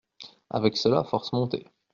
Avec cela force montées.